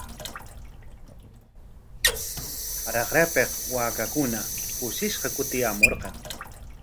Raqrapik waakakuna kushishqa kutiyaamurqan.